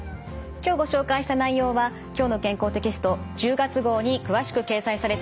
今日ご紹介した内容は「きょうの健康」テキスト１０月号に詳しく掲載されています。